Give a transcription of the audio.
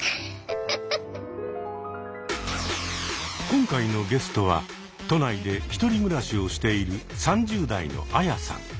今回のゲストは都内で１人暮らしをしている３０代のアヤさん。